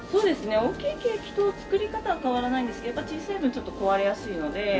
大きいケーキと作り方は変わらないんですけど小さい分ちょっと壊れやすいので。